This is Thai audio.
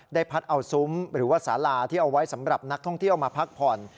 พัดเอาซุ้มหรือว่าสาลาที่เอาไว้สำหรับนักท่องเที่ยวมาพักผ่อน